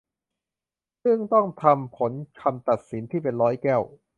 ซึ่งต้องทำผลคำตัดสินที่เป็นร้อยแก้ว